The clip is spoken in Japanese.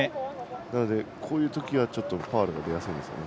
なのでこういうときはファウルが出やすいですね。